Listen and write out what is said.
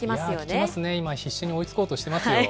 聞きますね、今、必死に追いつこうとしていますよ。